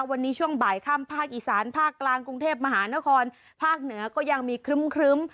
วันนี้ช่วงบ่ายค่ำภาคอีสานภาคกลางกรุงเทพมหานครภาคเหนือก็ยังมีครึ้ม